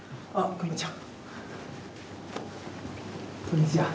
こんにちは。